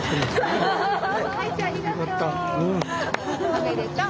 おめでとう。